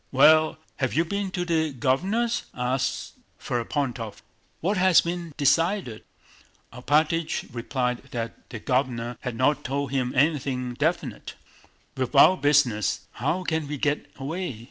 Well, have you been to the Governor's?" asked Ferapóntov. "What has been decided?" Alpátych replied that the Governor had not told him anything definite. "With our business, how can we get away?"